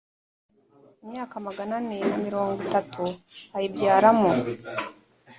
imyaka magana ane na mirongo itatu ayibyaramo